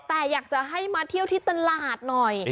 แต่อยากจะให้มาเที่ยวที่ตลาดหน่อย